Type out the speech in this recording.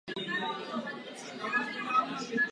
Evropa musí projevit pochopení a ochotu pomoci.